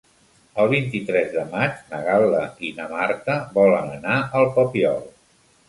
El vint-i-tres de maig na Gal·la i na Marta volen anar al Papiol.